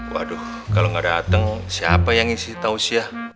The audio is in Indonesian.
waduh kalo nggak dateng siapa yang ngisi tau usia